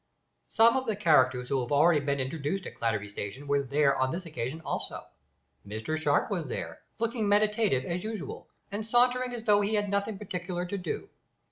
Some of the characters who have already been introduced at Clatterby station were there on this occasion also. Mr Sharp was there, looking meditative as usual, and sauntering as though he had nothing particular to do.